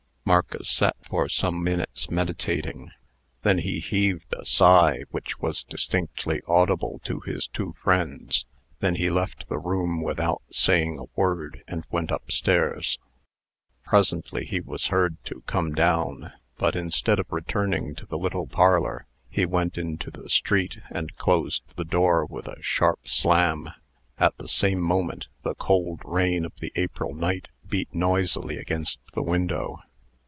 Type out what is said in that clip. Marcus sat for some minutes meditating. Then he heaved a sigh, which was distinctly audible to his two friends. Then he left the room without saying a word, and went up stairs. Presently he was heard to come down; but, instead of returning to the little parlor, he went into the street, and closed the door with a sharp slam. At the same moment, the cold rain of the April night beat noisily against the window.